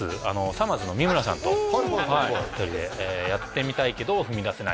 さまぁずの三村さんとはい２人でやってみたいけど踏み出せない